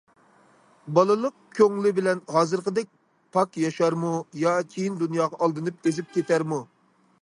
بالىلىق كۆڭلى بىلەن ھازىرقىدەك پاك ياشارمۇ يا كېيىن دۇنياغا ئالدىنىپ ئېزىپ كېتەرمۇ؟!